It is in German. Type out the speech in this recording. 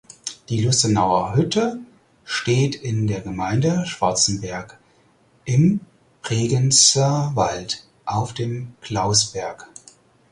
Die Lustenauer Hütte steht in der Gemeinde Schwarzenberg im Bregenzerwald auf dem Klausberg.